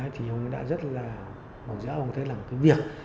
thì ông đã rất là mong giáo ông thấy là một cái việc